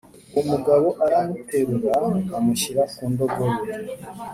Uwo mugabo aramuterura amushyira ku ndogobe